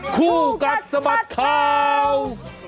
คู่กัดสะบัดข่าว